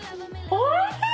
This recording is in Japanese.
おいしい！